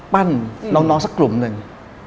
ปั้่นน้องสักกลุ่มหนึ่ง